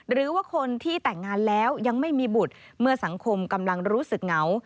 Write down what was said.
หรือว่าคนที่แต่งงานแล้วยังไม่มีบุตรเมื่อสังคมกำลังรู้สึกเหงา